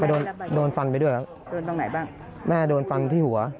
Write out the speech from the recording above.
โดนโดนฟันไปด้วยครับโดนตรงไหนบ้างแม่โดนฟันที่หัว